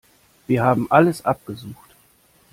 Wir haben alles abgesucht.